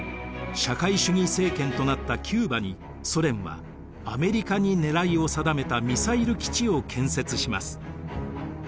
社会主義政権となったキューバにソ連はアメリカに狙いを定めたミサイル基地を建設します。